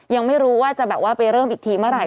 ยังไม่รู้ว่าจะไปเริ่มอีกทีเมื่อไหร่